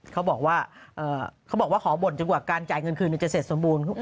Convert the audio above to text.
เขาบอกว่าเขาบอกว่าขอบ่นจนกว่าการจ่ายเงินคืนจะเสร็จสมบูรณ์